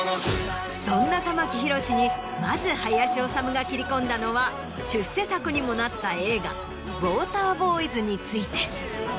そんな玉木宏にまず林修が切り込んだのは出世作にもなった映画『ウォーターボーイズ』について。